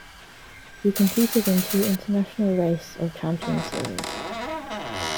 He competed in two International Race of Champions series.